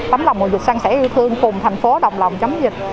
tấm lòng mùa dịch sang sẽ yêu thương cùng thành phố đồng lòng chống dịch